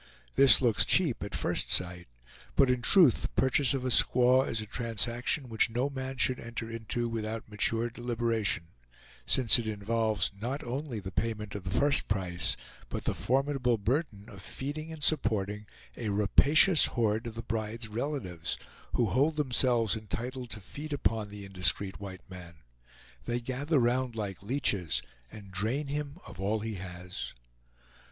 This looks cheap at first sight, but in truth the purchase of a squaw is a transaction which no man should enter into without mature deliberation, since it involves not only the payment of the first price, but the formidable burden of feeding and supporting a rapacious horde of the bride's relatives, who hold themselves entitled to feed upon the indiscreet white man. They gather round like leeches, and drain him of all he has.